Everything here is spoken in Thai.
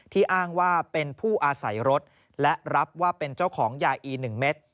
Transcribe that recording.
อ้างว่าเป็นผู้อาศัยรถและรับว่าเป็นเจ้าของยาอี๑เม็ด